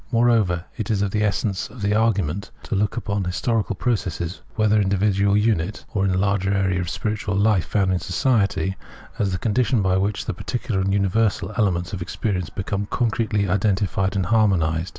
Moreover, it is of the essence of the argument to look upon historical process, whether in the individual unit, or in the larger area of spiritual life found in society, as the condition by which the particular and universal elements of experience become concretely identified and harmonised.